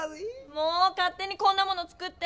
もうかっ手にこんなもの作って！